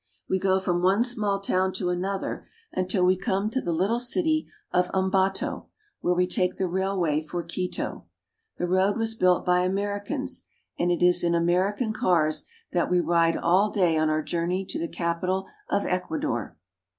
We go from one small town to an other until we come to the little city of Ambato, where we take the rail way for Quito. The road was built by Amer icans, and it is in Amer ican cars that we ride all day on our journey to the capital of Ecuador.